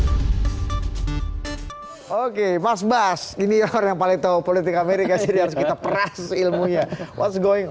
hai hai hai hai oke mas bas ini orang yang paling tahu politik amerika kita peras ilmunya was going